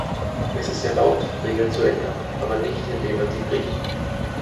Es ist erlaubt, Regeln zu ändern, aber nicht, indem man sie bricht.